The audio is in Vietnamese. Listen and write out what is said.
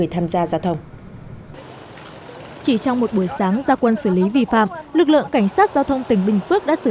chỉ trong một buổi sáng gia quân xử lý vi phạm lực lượng cảnh sát giao thông tỉnh bình phước đã xử